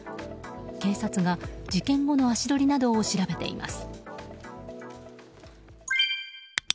警察が事件後の足取りなどを調べています。